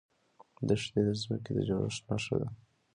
دښتې د ځمکې د جوړښت نښه ده.